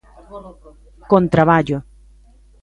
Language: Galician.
Con traballo.